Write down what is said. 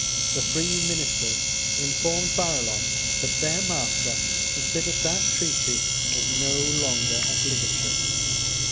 The three ministers informed Barillon that their master considered that treaty as no longer obligatory.